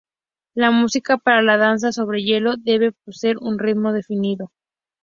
La música para la danza sobre hielo debe poseer un ritmo definido.